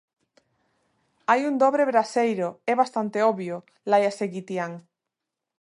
Hai un dobre braseiro, é bastante obvio, láiase Guitián.